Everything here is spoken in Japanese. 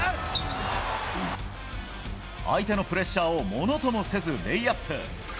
相手のプレッシャーをものともせずレイアップ。